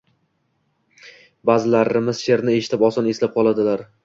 Baʼzilarimiz sheʼrni eshitib oson eslab qoladilar.